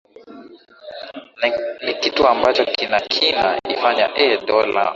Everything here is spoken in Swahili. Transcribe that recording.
ni kitu ambacho kina kina ifanya ee dola